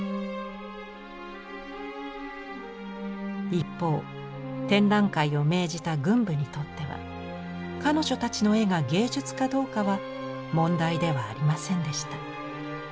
一方展覧会を命じた軍部にとっては彼女たちの絵が芸術かどうかは問題ではありませんでした。